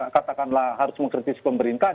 katakanlah harus mengkritis pemerintah